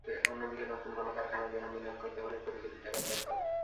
অন্যদিকে নতুন কোনো কারখানার জন্য বিনিয়োগ করতে হলেও কোটি কোটি টাকার দরকার।